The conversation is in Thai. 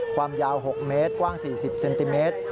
ความยาว๖เมตรกว้าง๔๐เซนติเมตร